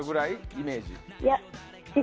イメージ。